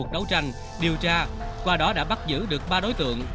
đấu tranh điều tra qua đó đã bắt giữ được ba đối tượng